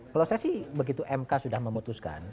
kalau saya sih begitu mk sudah memutuskan